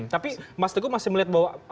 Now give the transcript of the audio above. tapi mas teguh masih melihat bahwa